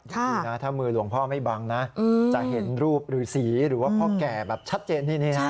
ดูนะถ้ามือหลวงพ่อไม่บังนะจะเห็นรูปหรือสีหรือว่าพ่อแก่แบบชัดเจนนี่นะ